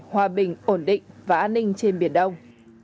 hòa bình ổn định và an ninh trên biển đông